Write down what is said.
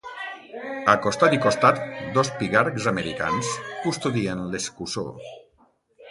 A costat i costat, dos pigargs americans custodien l'escussó.